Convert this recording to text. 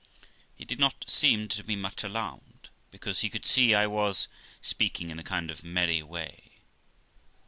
He did not seem to be much alarmed, because he could see I was speaking in a kind of merry way.